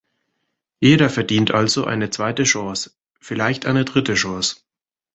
Jeder verdient also eine zweite Chance, vielleicht eine dritte Chance.